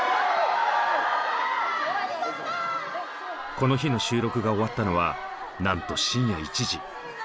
この日の収録が終わったのはなんと深夜１時。